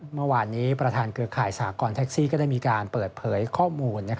เมื่อวานนี้ประธานเครือข่ายสหกรณ์แท็กซี่ก็ได้มีการเปิดเผยข้อมูล